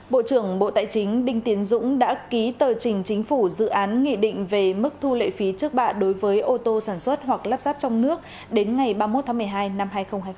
bộ trưởng bộ tài chính đinh tiến dũng đã ký tờ trình chính phủ dự án nghị định về mức thu lệ phí trước bạ đối với ô tô sản xuất hoặc lắp ráp trong nước đến ngày ba mươi một tháng một mươi hai năm hai nghìn hai mươi bốn